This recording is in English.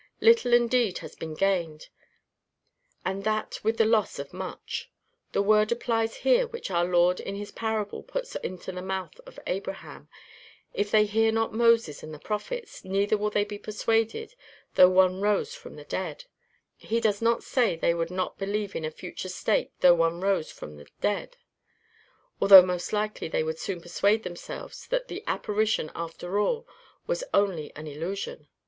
Little indeed has been gained, and that with the loss of much. The word applies here which our Lord in his parable puts into the mouth of Abraham: If they hear not Moses and the prophets, neither will they be persuaded though one rose from the dead. He does not say they would not believe in a future state though one rose from the dead although most likely they would soon persuade themselves that the apparition after all was only an illusion [Footnote: See Lynch's admirable sermon on this subject.